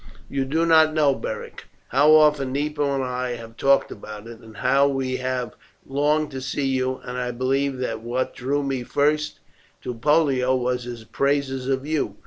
"You do not know, Beric, how often Nepo and I have talked about it, and how we have longed to see you, and I believe that what drew me first to Pollio was his praises of you.